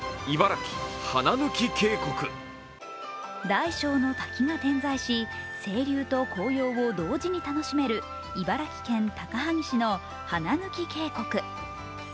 大小の滝が点在し清流と紅葉を同時に楽しめる茨城県高萩市の花貫渓谷。